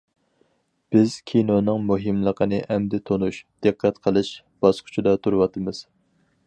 بىز كىنونىڭ مۇھىملىقىنى ئەمدى تونۇش، دىققەت قىلىش باسقۇچىدا تۇرۇۋاتىمىز.